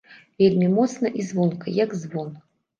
Вельмі моцна і звонка, як звон.